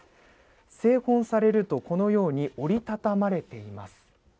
製本されると、このように折り畳まれています。